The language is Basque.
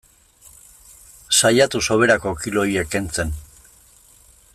Saiatu soberako kilo horiek kentzen.